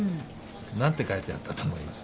何て書いてあったと思います？